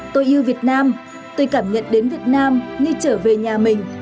tôi yêu việt nam tôi cảm nhận đến việt nam như trở về nhà mình